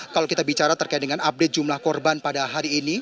kalau kita bicara terkait dengan update jumlah korban pada hari ini